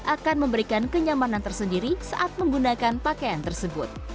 akan memberikan kenyamanan tersendiri saat menggunakan pakaian tersebut